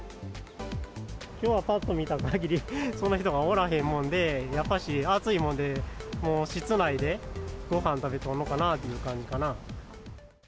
きょうはぱっと見たかぎり、そんな人がおらへんもんで、やっぱし暑いもんで、もう室内でごはん食べとんのかないう感じかな。